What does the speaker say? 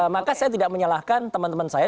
maka saya tidak menyalahkan teman teman saya